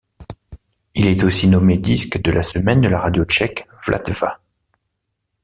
Il est aussi nommé disque de la semaine de la radio tchèque Vltava.